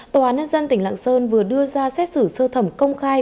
tòa án nhân dân tỉnh lạng sơn vừa đưa ra xét xử sơ thẩm công khai